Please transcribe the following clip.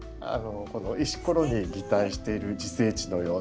石ころに擬態している自生地のような。